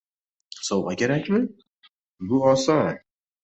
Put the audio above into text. Sovg‘a kerakmi? Bu oson!